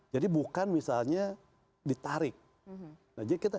jadi bukan misalnya ditarik